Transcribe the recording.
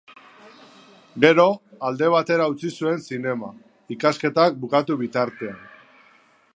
Gero, alde batera utzi zuen zinema, ikasketak bukatu bitartean.